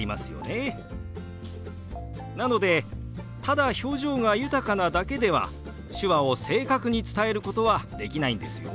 なのでただ表情が豊かなだけでは手話を正確に伝えることはできないんですよ。